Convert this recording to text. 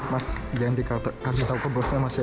mas jangan dikasih tahu ke bosnya mas ya